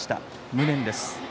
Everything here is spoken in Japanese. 無念です。